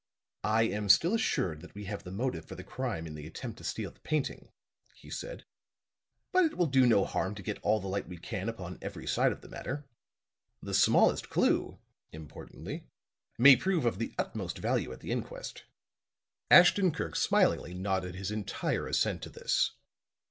"I am still assured that we have the motive for the crime in the attempt to steal the painting," he said. "But it will do no harm to get all the light we can upon every side of the matter. The smallest clue," importantly, "may prove of the utmost value at the inquest." Ashton Kirk smilingly nodded his entire assent to this.